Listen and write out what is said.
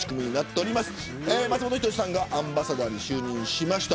松本人志さんがアンバサダーに就任しました。